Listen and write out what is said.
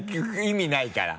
意味ないから。